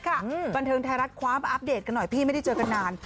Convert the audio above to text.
บันเทิงไทยรัฐคว้ามาอัปเดตกันหน่อยพี่ไม่ได้เจอกันนาน